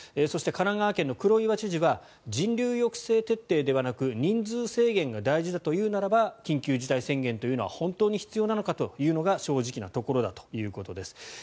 そして神奈川県の黒岩知事は人流抑制徹底ではなく人数制限が大事だというならば緊急事態宣言というのは本当に必要なのかというのが正直なところだということです。